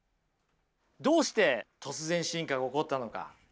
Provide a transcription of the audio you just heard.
どうして突然進化が起こったのか。